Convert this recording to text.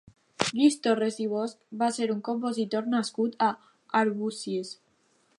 Lluís Torres i Bosch va ser un compositor nascut a Arbúcies.